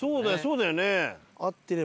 そうだよね。